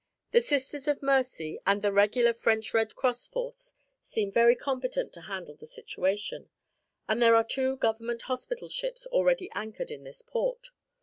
The Sisters of Mercy and the regular French Red Cross force seem very competent to handle the situation, and there are two government hospital ships already anchored in this port.